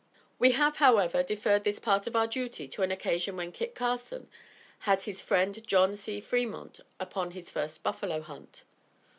We have, however deferred this part of our duty to an occasion when Kit Carson had his friend John C. Fremont upon his first buffalo hunt.